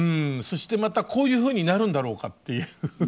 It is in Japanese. そしてまたこういうふうになるんだろうかっていう。